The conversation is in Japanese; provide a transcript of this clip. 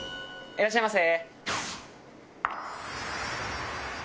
いいらっしゃいませ。